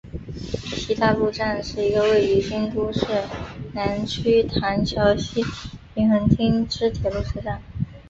西大路站是一个位于京都市南区唐桥西平垣町之铁路车站。